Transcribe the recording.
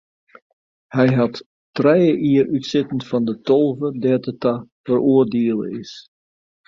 Hy hat trije jier útsitten fan de tolve dêr't er ta feroardiele is.